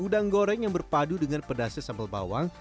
udang goreng yang berpadu dengan pedasnya sambal bawang